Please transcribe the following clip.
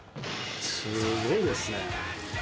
すごいですね。